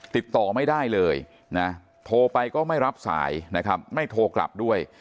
ติดต่อไม่ได้เลยนะโทรไปก็ไม่รับสายนะครับไม่โทรกลับด้วย